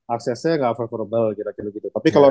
aksesnya gak favorable kira kira gitu tapi kalau